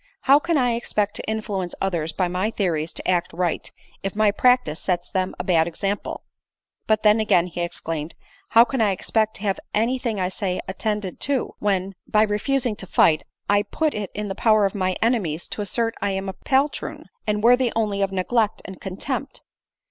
" How can I expect to influence others by ray theories to act right, if my practice sets them a bad ex ample ?" But then again he exclaimed, " How can I expect to have any thing I say attended to, when, by re 40 ADELINE MOWBRAY. fusing to fight, I put it in the power of my enemies to assert I am a paltroon, and worthy only of neglect and contempt